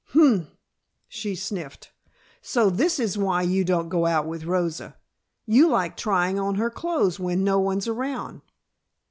"Humph!" she sniffed. "So this is why you don't go out with Rosa; you like trying on her clothes when no one's around!"